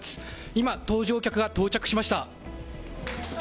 今、搭乗客が到着しました。